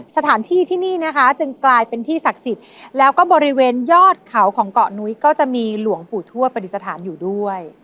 สถานที่ที่นี่นะคะจึงกลายเป็นที่ศักดิ์สิทธิ์แล้วก็บริเวณยอดเขาของเกาะนุ้ยก็จะมีหลวงปู่ทวดปฏิสถานอยู่ด้วย